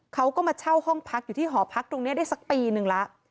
เขาก็มาเช่าห้องพักอยู่ที่หอพักตรงนี้ได้สักปีนึงแล้ว